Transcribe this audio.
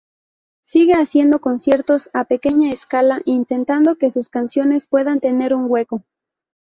Sigue haciendo conciertos a pequeña escala, intentando que sus canciones puedan tener un hueco.